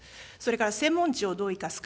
それから専門知をどう生かすか。